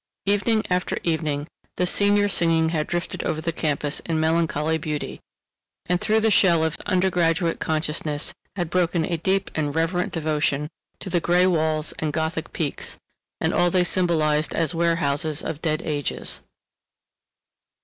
Evening after evening the senior singing had drifted over the campus in melancholy beauty, and through the shell of his undergraduate consciousness had broken a deep and reverent devotion to the gray walls and Gothic peaks and all they symbolized as warehouses of dead ages.